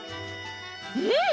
うん！